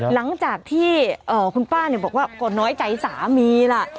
หลังจากที่คุณป้าบอกว่าก็น้อยใจสามีล่ะ